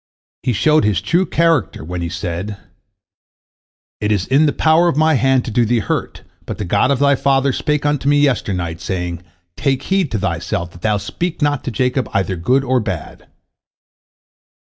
He showed his true character when he said, "It is in the power of my hand to do thee hurt, but the God of thy father spake unto me yesternight, saying, Take heed to thyself that thou speak not to Jacob either good or bad."